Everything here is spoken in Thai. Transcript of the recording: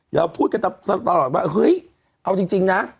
เราพูดกันตลอดว่าเฮ้ยเอาจริงนะ